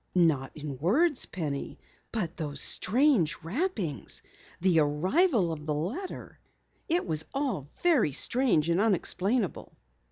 "Not in words, Penny. But those strange rappings, the arrival of the letter it was all very strange and unexplainable."